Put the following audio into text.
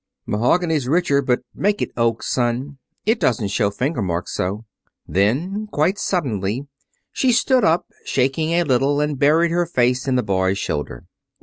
"Mahogany's richer, but make it oak, son. It doesn't show finger marks so." Then, quite suddenly, she stood up, shaking a little, and buried her face in the boy's shoulder.